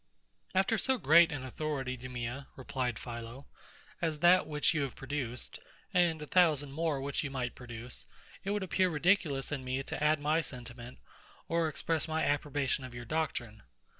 After so great an authority, DEMEA, replied PHILO, as that which you have produced, and a thousand more which you might produce, it would appear ridiculous in me to add my sentiment, or express my approbation of your doctrine.